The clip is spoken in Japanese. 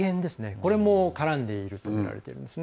これも絡んでいるとみられているんですね。